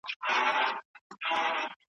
زه د تړون د پوره کولو تر هر چا مستحق یم.